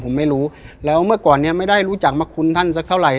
ผมไม่รู้แล้วเมื่อก่อนเนี้ยไม่ได้รู้จักมาคุ้นท่านสักเท่าไหร่